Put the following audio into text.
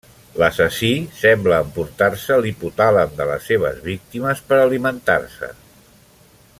L'assassí sembla emportar-se l'hipotàlem de les seves víctimes, per alimentar-se.